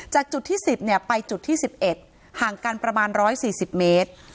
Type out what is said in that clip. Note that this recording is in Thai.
จากจุดที่๑๐ไปจุดที่๑๑ห่างกันประมาณ๑๔๐เมตร